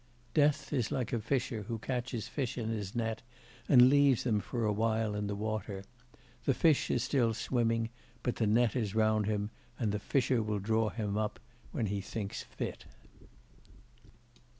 Death is like a fisher who catches fish in his net and leaves them for a while in the water; the fish is still swimming but the net is round him, and the fisher will draw him up when he thinks fit.